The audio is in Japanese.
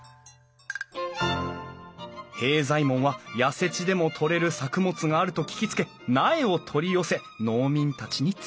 平左衛門は痩せ地でも採れる作物があると聞きつけ苗を取り寄せ農民たちにつくらせた。